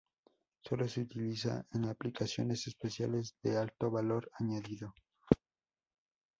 Sólo se utiliza en aplicaciones especiales de alto valor añadido.